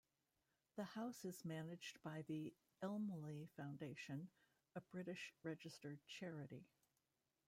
The house is managed by the Elmley Foundation, a British registered charity.